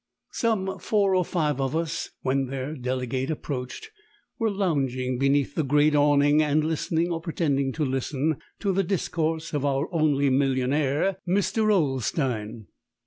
Some four or five of us, when their delegate approached, were lounging beneath the great awning and listening, or pretending to listen, to the discourse of our only millionaire, Mr. Olstein.